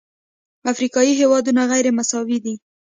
افریقایي هېوادونه غیرمساوي دي.